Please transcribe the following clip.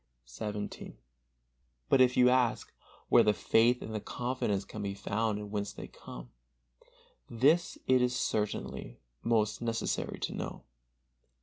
XVII. But if you ask, where the faith and the confidence can be found and whence they come, this it is certainly most necessary to know.